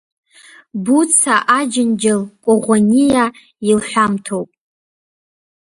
Буца Аџьынџьал-Кәаӷәаниаилҳәамҭоуп.